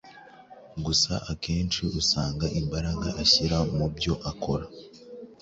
gusa akenshi usanga imbaraga ashyira mu byo akora